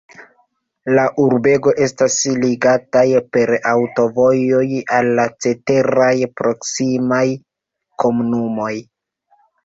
La urbego estas ligataj per aŭtovojoj al la ceteraj proksimaj komunumoj.